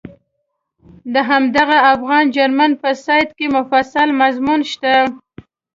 د همدغه افغان جرمن په سایټ کې مفصل مضمون شته.